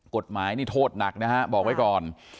กฎหมายนี่โทษหนักนะฮะบอกไว้ก่อน